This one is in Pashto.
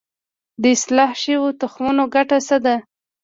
د اصلاح شویو تخمونو ګټه څه ده؟